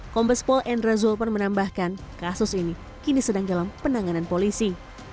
kompas paul n razzolper menambahkan kasus ini kini sedang dalam penanganan polisi